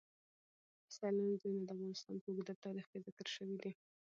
سیلانی ځایونه د افغانستان په اوږده تاریخ کې ذکر شوی دی.